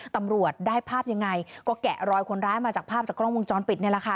ตำรวจได้ภาพยังไงก็แกะรอยคนร้ายมาจากภาพจากกล้องวงจรปิดนี่แหละค่ะ